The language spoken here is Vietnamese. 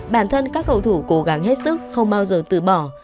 bản thân các cầu thủ cố gắng hết sức không bao giờ từ bỏ